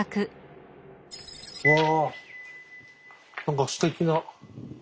うわ何かすてきな。